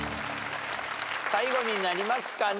最後になりますかね？